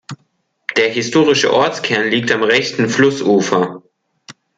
Der historische Ortskern liegt am rechten Flussufer.